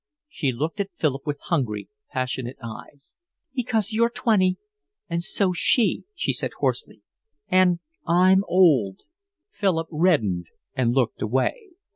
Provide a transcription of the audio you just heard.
She looked at Philip with hungry, passionate eyes. "Because you're twenty and so's she," she said hoarsely. "And I'm old." Philip reddened and looked away.